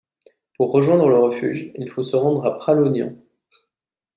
Pour rejoindre le refuge, il faut se rendre à Pralognan.